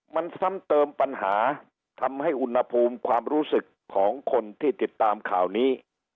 มันซ้ำเติมปัญหาทำให้อุณหภูมิความรู้สึกของคนที่ติดตามข่าวนี้